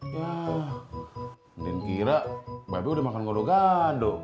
yah din kira mbak be udah makan ngodok ngodok